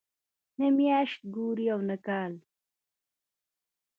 نه میاشت ګوري او نه کال.